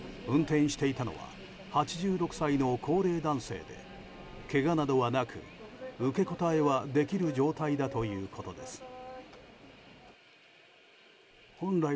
運転していたのは８６歳の高齢男性でけがなどはなく、受け答えはできる状態だということです。